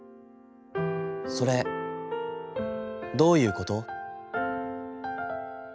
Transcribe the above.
『それ、どういうこと』。